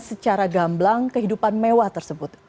secara gamblang kehidupan mewah tersebut